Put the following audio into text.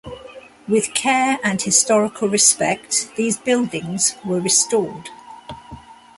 With care and historical respect these buildings were restored.